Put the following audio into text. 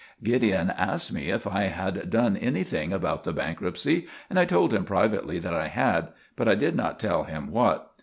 Gideon asked me if I had done anything about the bankruptcy, and I told him privately that I had. But I did not tell him what.